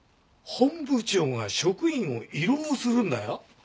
本部長が職員を慰労するんだよ。